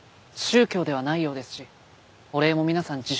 宗教ではないようですしお礼も皆さん